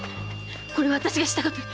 〔これはあたしがしたことに。